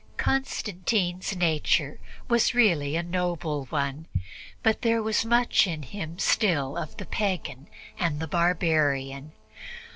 Constantine's nature was really a noble one, but there was much in him still of the pagan and the barbarian.